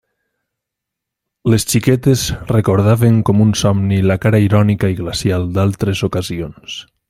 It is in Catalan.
Les xiquetes recordaven com un somni la cara irònica i glacial d'altres ocasions.